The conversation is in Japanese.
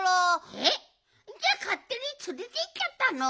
えっ？じゃあかってにつれていっちゃったの？